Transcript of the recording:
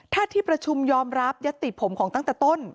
ถ้าที่ประชุมยอมรับยัตติผมของตั้งแต่ต้น